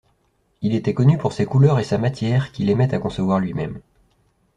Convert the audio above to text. Il était connu pour ses couleurs et sa matière qu'il aimait à concevoir lui-même.